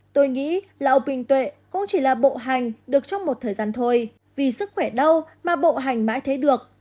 tôi nghĩ là ông bình tuệ cũng chỉ là bộ hành được trong một thời gian thôi vì sức khỏe đâu mà bộ hành mãi thấy được